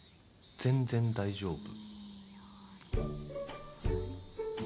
全然大丈夫。